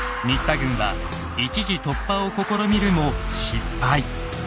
新田軍は一時突破を試みるも失敗。